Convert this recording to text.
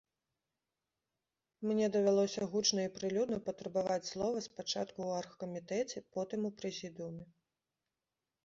Мне давялося гучна і прылюдна патрабаваць слова спачатку ў аргкамітэце, потым у прэзідыуме.